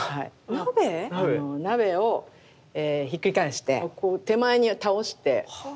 鍋⁉鍋をひっくり返して手前に倒して。